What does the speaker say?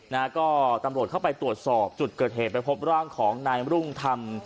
นะฮะก็ตำรวจเข้าไปตรวจสอบจุดเกิดเหตุไปพบร่างของนายรุ่งธรรม